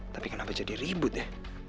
tapi kenapa jadi ribut ya